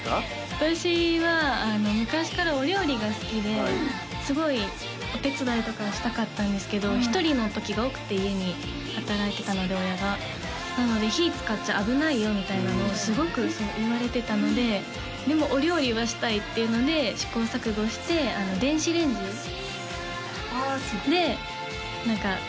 私は昔からお料理が好きですごいお手伝いとかしたかったんですけど一人のときが多くて家に働いてたので親がなので「火使っちゃ危ないよ」みたいなのをすごく言われてたのででもお料理はしたいっていうので試行錯誤して電子レンジで何かできることを